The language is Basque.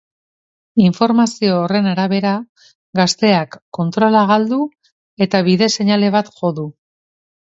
Informazio horren arabera, gazteak kontrola galdu eta bide-seinale bat jo du.